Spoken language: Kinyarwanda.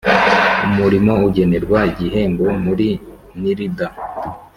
Umurimo ugenerwa igihembo muri nirda